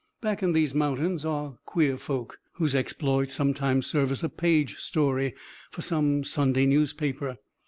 Back in these mountains are queer folk; whose exploits sometimes serve as a page story for some Sunday newspaper.